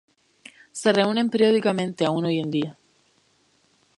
Se reúnen periódicamente aún hoy en día.